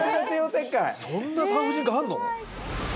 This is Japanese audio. そんな産婦人科あるの？